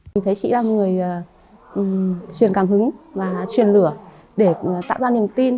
chị là người truyền cảm hứng và truyền lửa để tạo ra niềm tin